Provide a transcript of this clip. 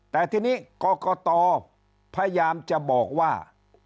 แต่ทีนี้กรกตพยายามจะบอกว่า